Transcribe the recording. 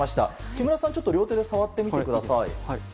木村さん両手で触ってみてください。